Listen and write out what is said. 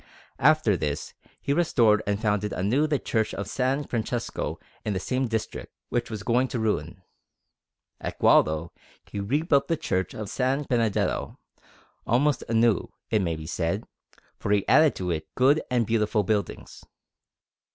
After this he restored and founded anew the Church of S. Francesco in the same district, which was going to ruin. At Gualdo he rebuilt the Church of S. Benedetto; almost anew, it may be said, for he added to it good and beautiful buildings.